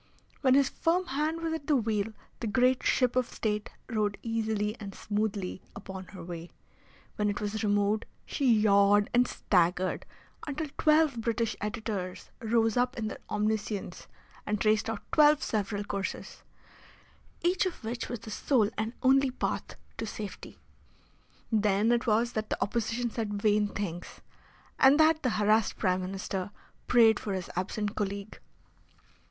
When his firm hand was at the wheel the great ship of State rode easily and smoothly upon her way; when it was removed she yawed and staggered until twelve British editors rose up in their omniscience and traced out twelve several courses, each of which was the sole and only path to safety. Then it was that the Opposition said vain things, and that the harassed Prime Minister prayed for his absent colleague.